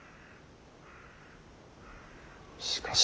しかし。